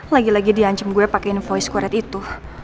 lagi lagi dia ancam gue pakai invoice kuret itu